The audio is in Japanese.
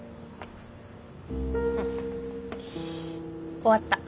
終わった。